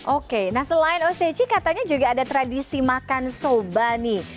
oke nah selain osechi katanya juga ada tradisi makan soba nih